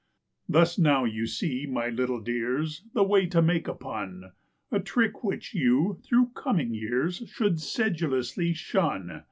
Thus now you see, my little dears, the way to make a pun; A trick which you, through coming years, should sedulously shun.